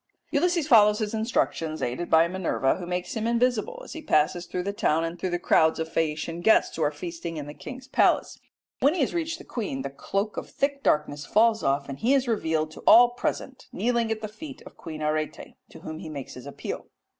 Ulysses follows his instructions aided by Minerva, who makes him invisible as he passes through the town and through the crowds of Phaeacian guests who are feasting in the king's palace. When he has reached the queen, the cloak of thick darkness falls off, and he is revealed to all present, kneeling at the feet of Queen Arete, to whom he makes his appeal.